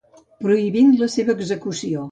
Prohibint la seva execució.